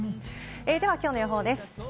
では、きょうの予報です。